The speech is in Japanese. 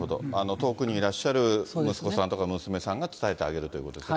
遠くにいらっしゃる息子さんとか娘さんが、伝えてあげるということですね。